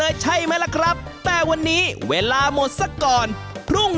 เอ็งใช้ป้ายติดไอ้น้อง